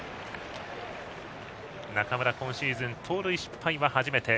中村、今シーズン盗塁失敗は初めて。